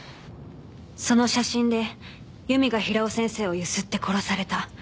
その写真で由美が平尾先生を強請って殺された。